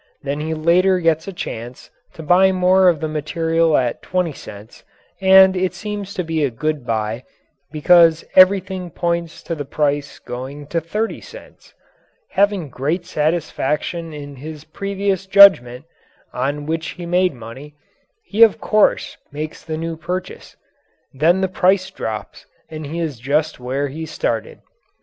Then he later gets a chance to buy more of the material at twenty cents, and it seems to be a good buy because everything points to the price going to thirty cents. Having great satisfaction in his previous judgment, on which he made money, he of course makes the new purchase. Then the price drops and he is just where he started.